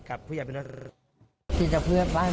กับผู้ยาอังทองเหรอผู้ยาไหน